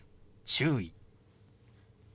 「注意」。